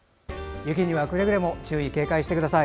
雪にはくれぐれも注意、警戒してください。